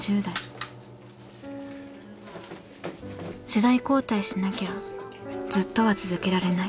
世代交代しなきゃずっとは続けられない。